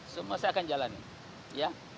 semua saya akan jalani